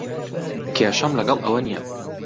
کێشەم لەگەڵ ئەوە نییە.